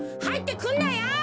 はいってくんなよ！